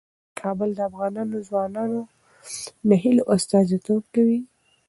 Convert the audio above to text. کابل د افغان ځوانانو د هیلو استازیتوب کوي.